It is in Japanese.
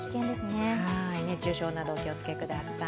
熱中症などお気をつけください。